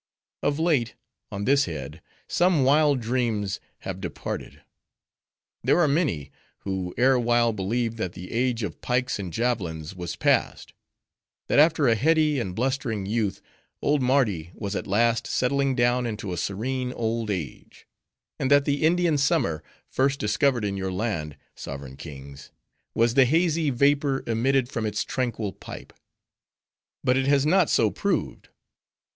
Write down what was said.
"Of late, on this head, some wild dreams have departed. "There are many, who erewhile believed that the age of pikes and javelins was passed; that after a heady and blustering youth, old Mardi was at last settling down into a serene old age; and that the Indian summer, first discovered in your land, sovereign kings! was the hazy vapor emitted from its tranquil pipe. But it has not so proved.